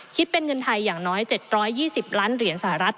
คิดเป็นเงินไทยอย่างน้อย๗๒๐ล้านเหรียญสหรัฐ